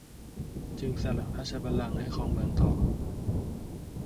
จึงสละราชบัลลังก์ให้ครองเมืองต่อ